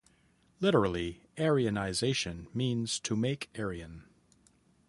Literally, 'aryanization' means "to make Aryan".